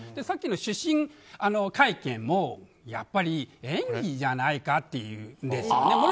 さっきの会見もやっぱり演技じゃないかっていうんですね。